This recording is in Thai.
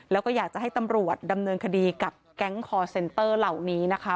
แล้วก็อยากจะให้ตำรวจดำเนินคดีกับแก๊งคอร์เซ็นเตอร์เหล่านี้นะคะ